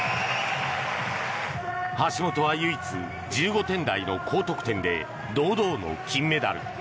橋本は唯一１５点台の高得点で堂々の金メダル。